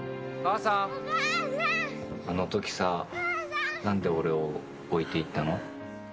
あの時さ、何で俺を置いて行ったの？